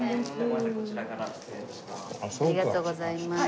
ありがとうございます。